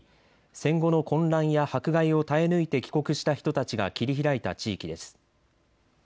戦後の混乱や迫害を耐え抜いて帰国した人たちが切り開いた地域です。